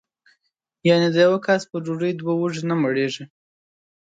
یعنې د یوه کس په ډوډۍ دوه وږي نه مړېږي.